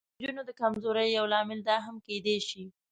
د انجوګانو د کمزورۍ یو لامل دا هم کېدای شي.